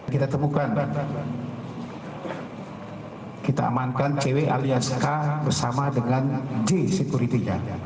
kita temukan kita amankan cw alias k bersama dengan j security nya